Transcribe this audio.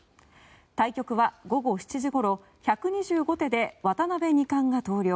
対局は午後７時ごろ１２５手で渡辺二冠が投了。